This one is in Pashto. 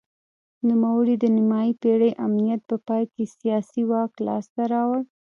نوموړي د نیمايي پېړۍ امنیت په پای کې سیاسي واک لاسته راوړ.